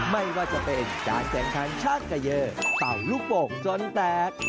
ไม่ว่าจะเป็นการแข่งขันชาติกะเยอร์เต่าลูกโป่งจนแตก